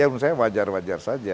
ya menurut saya wajar wajar saja